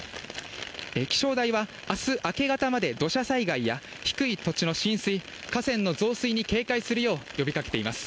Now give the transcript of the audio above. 気象台はあす明け方まで、土砂災害や低い土地の浸水、河川の増水に警戒するよう呼びかけています。